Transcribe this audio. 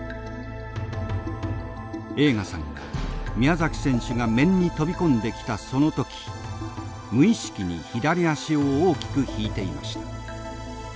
栄花さんが宮崎選手が面に飛び込んできたその時無意識に左足を大きく引いていました。